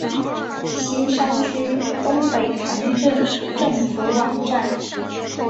锡山区东北塘镇政府网站